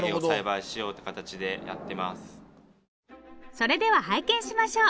それでは拝見しましょう。